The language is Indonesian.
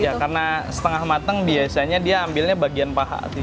ya karena setengah matang biasanya dia ambilnya bagian paha